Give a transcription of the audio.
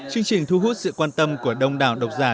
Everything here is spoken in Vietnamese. chương trình thu hút sự quan tâm của đông đảo độc giả